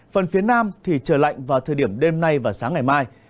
phần phía nam thì trời lạnh vào thời điểm đêm nay và sáng ngày mai